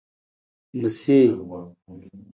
Ma see.